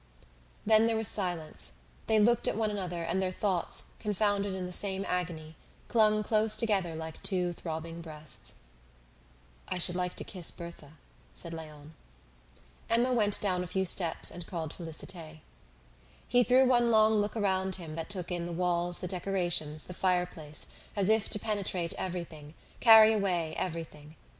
Then there was silence. They looked at one another and their thoughts, confounded in the same agony, clung close together like two throbbing breasts. "I should like to kiss Berthe," said Léon. Emma went down a few steps and called Félicité. He threw one long look around him that took in the walls, the decorations, the fireplace, as if to penetrate everything, carry away everything.